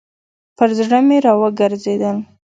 پر زړه مي راوګرځېدل .